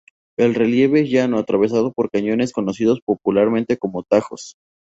El relieve es llano atravesado por cañones conocidos popularmente como "tajos".